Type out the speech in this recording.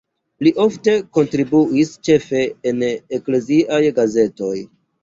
Li ofte kontribuis ĉefe en ekleziaj gazetoj.